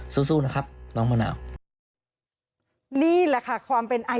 สู้นะครับน้องมะนาว